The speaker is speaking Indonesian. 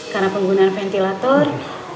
karena penggunaan ventilator